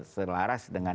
selalu ada yang menekan